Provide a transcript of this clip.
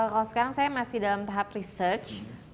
kalau sekarang saya masih dalam tahap research